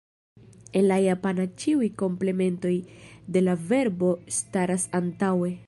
En la japana ĉiuj komplementoj de la verbo staras antaŭe.